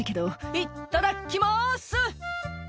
「いっただっきます！」